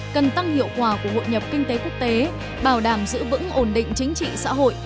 cần tăng hiệu quả của hội nhập kinh tế quốc tế bảo đảm giữ vững ổn định chính trị xã hội